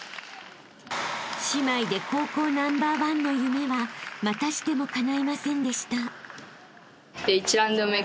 ［姉妹で高校ナンバーワンの夢はまたしてもかないませんでした］